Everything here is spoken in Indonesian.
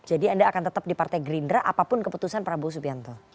jadi anda akan tetap di partai gerindra apapun keputusan prabowo subianto